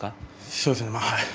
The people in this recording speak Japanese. そうですね